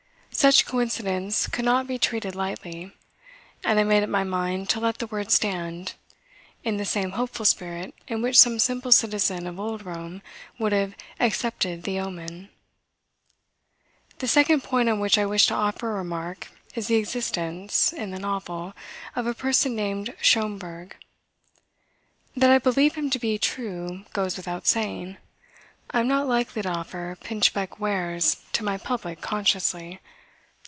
Such coincidence could not be treated lightly. And I made up my mind to let the word stand, in the same hopeful spirit in which some simple citizen of Old Rome would have "accepted the Omen." The second point on which I wish to offer a remark is the existence (in the novel) of a person named Schomberg. That I believe him to be true goes without saying. I am not likely to offer pinchbeck wares to my public consciously.